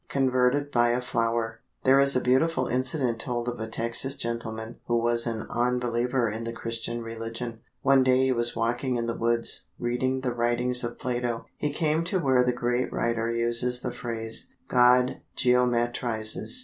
CONVERTED BY A FLOWER. There is a beautiful incident told of a Texas gentleman who was an unbeliever in the Christian religion. One day he was walking in the woods, reading the writings of Plato. He came to where the great writer uses the phrase, "God geometrizes."